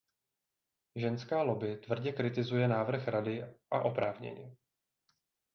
Ženská lobby tvrdě kritizuje návrh Rady, a oprávněně.